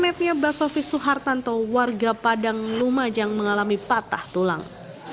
rekernetnya basofi suhartanto warga padang lumajang mengalami patah tulang